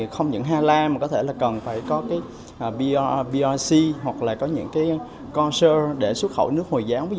không những hà lan mà có thể là cần phải có brc hoặc là có những con sơ để xuất khẩu nước hồi giáo